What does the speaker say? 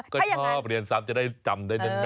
ก็ชอบเรียนซ้ำจะได้จำได้แบบนั้นแม่น